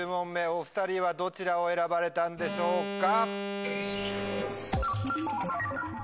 お２人はどちらを選ばれたんでしょうか？